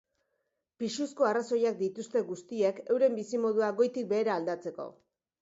Pisuzko arrazoiak dituzte guztiek euren bizimodua goitik behera aldatzeko.